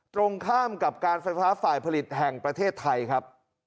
ตรงข้ามกับการไฟฟ้าฝ่ายผลิตแห่งประเทศไทยครับ